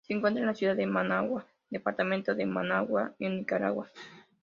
Se encuentra en la ciudad de Managua, departamento de Managua, en Nicaragua.